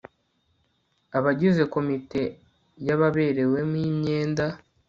abagize komite y ababerewemo imyenda